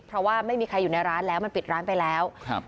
เพราะว่าไม่มีใครอยู่ในร้านแล้วมันปิดร้านไปแล้วครับ